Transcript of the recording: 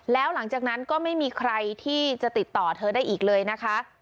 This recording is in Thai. แล้วหลังจากนั้นก็ไม่มีใครที่จะติดต่อเธอได้อีกเลยนะคะ